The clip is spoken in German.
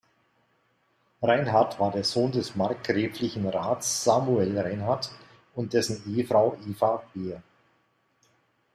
Reinhard war der Sohn des markgräflichen Rats Samuel Reinhard und dessen Ehefrau Eva Behr.